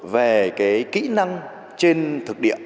về kỹ năng trên thực địa